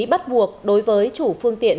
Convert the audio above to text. bắt buộc đối với chủ phương tiện